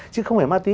chứ không phải ma túy